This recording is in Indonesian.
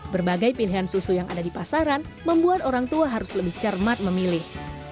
berbagai pilihan susu yang ada di pasaran membuat orang tua harus lebih cermat memilih